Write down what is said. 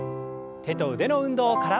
手と腕の運動から。